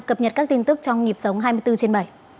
cập nhật các tin tức trong nhịp sống hai mươi bốn trên bảy